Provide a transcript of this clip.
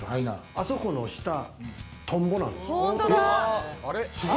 あそこの下、トンボなんです。